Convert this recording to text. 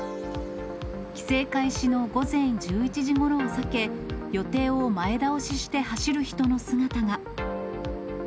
規制開始の午前１１時ごろを避け、予定を前倒しして走る人の姿が。